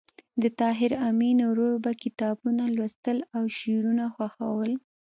د طاهر آمین ورور به کتابونه لوستل او شعرونه خوښول